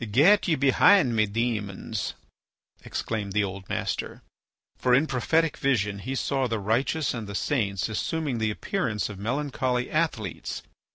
"Get ye behind me, demons," exclaimed the old master. For in prophetic vision he saw the righteous and the saints assuming the appearance of melancholy athletes.